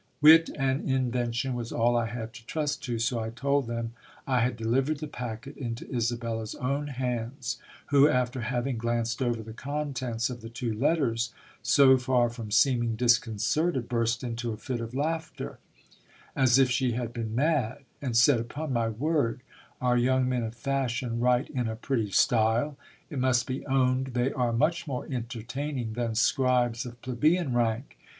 Wit and invention was all I had to trust to, so 1 told them I had delivered the packet into Isabella's own hands; who, after having glanced over the contents of the two letters, so far from seeming disconcerted, burst into a fit of laughter, as if she had been mad, and said — Upon my word, our young men of fashion write in a pretty style. It must be owned they are much more entertaining than scribes of plebeian rank.